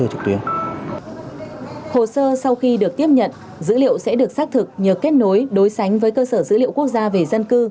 hồ sơ sau khi được tiếp nhận dữ liệu sẽ được xác thực nhờ kết nối đối sánh với cơ sở dữ liệu quốc gia về dân cư